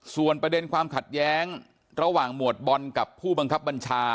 ส่วนประเด็นความขัดแย้งระหว่างหมวดบอลกับผู้บังคับบัญชา